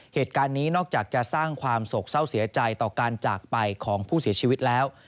เหตุการณ์นี้นอกจากจะสร้างความโศกเศร้าเสียใจต่อการจากไปของผู้เสียชีวิตแล้ว